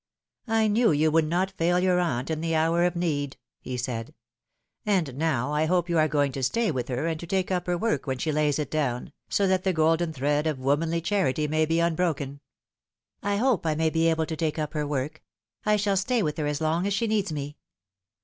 " I knew you would not fail your aunt in the hour of need," he said ;" and now I hope you are going to stay with her and to take up her work when she lays it down, so that the golden thread of womanly charity may be unbroken." "I hope I may be able to take up her work. I shall stay with her as long as she needs me."